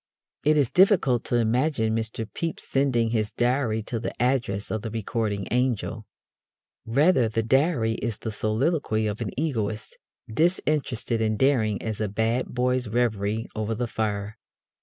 It is difficult to imagine Mr. Pepys sending his Diary to the address of the Recording Angel. Rather, the Diary is the soliloquy of an egoist, disinterested and daring as a bad boy's reverie over the fire.